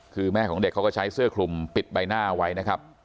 คือแม่ของเด็กเขาก็ใช้เสื้อคลุมปิดใบหน้าไว้นะครับ